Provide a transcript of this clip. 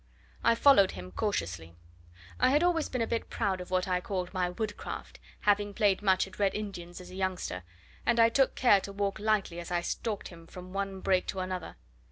I followed him, cautiously. I had always been a bit proud of what I called my woodcraft, having played much at Red Indians as a youngster, and I took care to walk lightly as I stalked him from one brake to another.